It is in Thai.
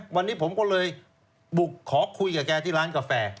วันนี้ผมก็เลยบุกขอคุยกับแกที่ร้านกาแฟ